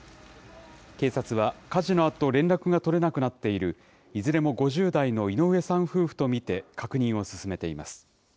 警察は、火事のあと連絡が取れなくなっている、いずれも５０代の井上さん夫婦と見て、確認を進めています。